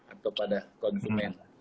atau pada konsumen